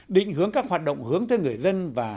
định hướng các hoạt động hướng tới người dân và